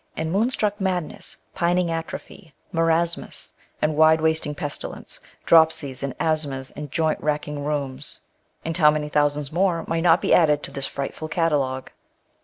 And moon struck madness, pining atrophy. Marasmus, and wide wasting pestilence, Dropsies, and asthmas, and joint racking rheums. And how many thousands more might not be added to this frightful catalogue